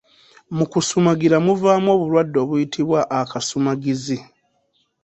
Mu kusumagira muvaamu obulwadde obuyitibwa Akasumagizi.